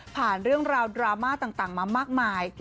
เรื่องราวดราม่าต่างมามากมาย